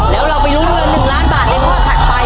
แล้วเราไปลุงเงิน๑ล้านบาทและเพิ่มขาดไป